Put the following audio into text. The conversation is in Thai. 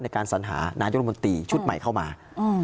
ในการสัญหานายุโรมนติชุดใหม่เข้ามาอืม